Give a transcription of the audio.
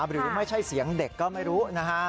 หรือไม่ใช่เสียงเด็กก็ไม่รู้นะฮะ